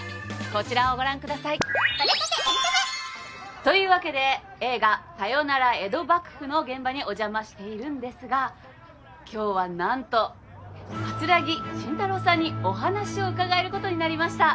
こちらをご覧ください。というわけで映画「さよなら江戸幕府」の現場にお邪魔しているんですが今日はなんと桂木信太郎さんにお話を伺えることになりました。